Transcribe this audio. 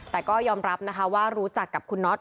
แต่ก็ยอมรับนะคะว่ารู้จักกับคุณน็อต